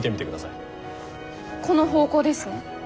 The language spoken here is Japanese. この方向ですね？